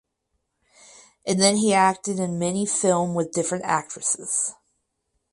An then he acted in many film with different actresses.